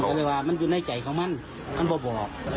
ก็เลยว่ามันอยู่ในใจของมันมันบ่บอก